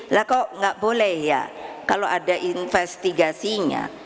lah kok nggak boleh ya kalau ada investigasinya